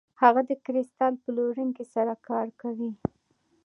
هغه د کریستال پلورونکي سره کار کوي.